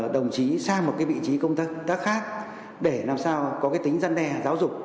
đồng chí sang một vị trí công tác khác để làm sao có tính dân đe giáo dục